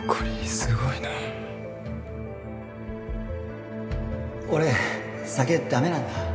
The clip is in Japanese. すごいな俺酒ダメなんだ